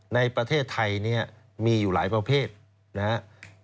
ในประเทศไทยเนี่ยมีอยู่หลายประเภทนะครับ